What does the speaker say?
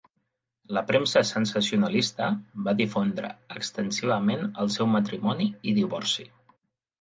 La premsa sensacionalista va difondre extensivament el seu matrimoni i divorci.